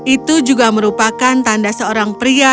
itu juga merupakan tanda seorang pria